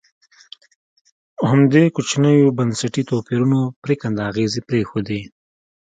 همدې کوچنیو بنسټي توپیرونو پرېکنده اغېزې پرېښودې.